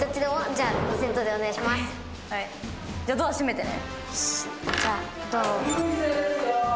じゃあドア閉めてね。